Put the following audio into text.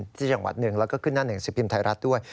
ที่จังหวัด๑แล้วก็ขึ้นหน้า๑สิทธิ์ครึ่งภิมศ์ไทยรัฐด้วย